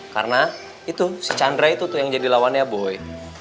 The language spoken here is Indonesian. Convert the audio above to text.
karena itu si chandra itu tuh yang jadi lawannya boy